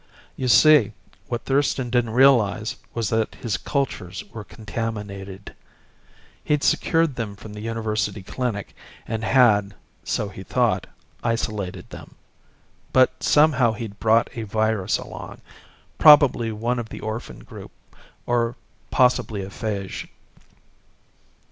You see, what Thurston didn't realize was that his cultures were contaminated. He'd secured them from the University Clinic and had, so he thought, isolated them. But somehow he'd brought a virus along probably one of the orphan group or possibly a phage."